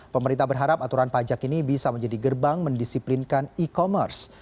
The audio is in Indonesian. pemerintah berharap aturan pajak ini bisa menjadi gerbang mendisiplinkan e commerce